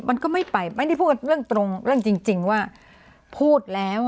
มันก็ไม่ไปไม่ได้พูดกันเรื่องตรงเรื่องจริงว่าพูดแล้ว